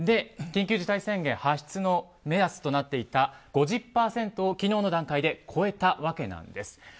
緊急事態宣言発出の目安となっていた５０％を昨日の段階で超えたわけなんです。